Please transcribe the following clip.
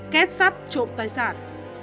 kết sắt trộm tài sản